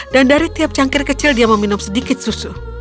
dan dari tiap cangkir kecil dia meminum sedikit susu